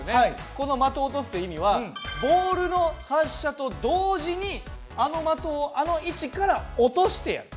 この「的を落とす」という意味はボールの発射と同時にあの的をあの位置から落としてやる。